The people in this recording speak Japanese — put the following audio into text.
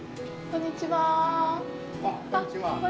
こんにちは。